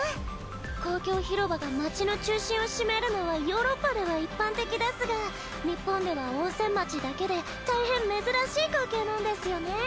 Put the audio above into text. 公共広場が町の中心を占めるのはヨーロッパでは一般的デスガ日本では温泉町だけで大変珍しい光景なんデスヨネ。